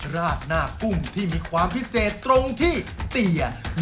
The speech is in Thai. ราดหน้ากุ้งที่มีความพิเศษตรงที่เตีย